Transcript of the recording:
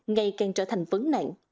ngày càng trở thành vấn nạn